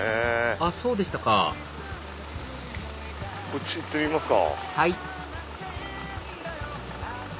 あっそうでしたかこっち行ってみますか。